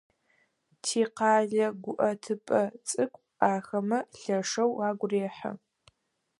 Тикъэлэ гуӏэтыпӏэ цӏыкӏу ахэмэ лъэшэу агу рехьы.